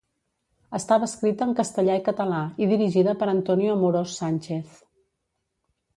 Estava escrita en castellà i català, i dirigida per Antonio Amorós Sánchez.